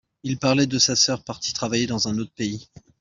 il parlait de sa sœur partie travailler dans un autre pays.